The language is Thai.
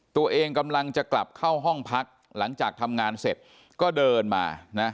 ตัวเองกำลังจะกลับเข้าห้องพักหลังจากทำงานเสร็จก็เดินมานะ